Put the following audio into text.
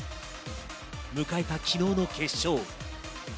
迎えた昨日の決勝。